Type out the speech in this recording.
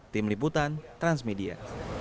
tim liputan transmedia